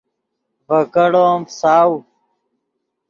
ڤے کیڑو ام فساؤ